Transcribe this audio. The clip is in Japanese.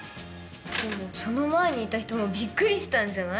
でもその前にいた人もびっくりしたんじゃない？